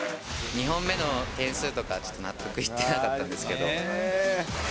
２本目の点数とか、ちょっと納得いってなかったんですけど。